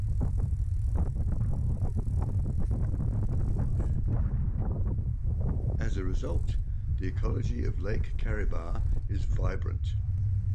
As a result, the ecology of Lake Kariba is vibrant.